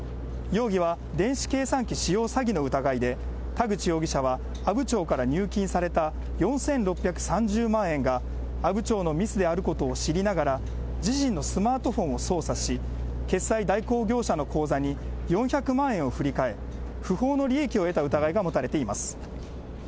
容疑は電子計算機使用詐欺の疑いで、田口容疑者は阿武町から入金された４６３０万円が、阿武町のミスであることを知りながら、自身のスマートフォンを操作し、決済代行業者の口座に４００万円を振り替え、不法の利益を得た疑いが持たれています。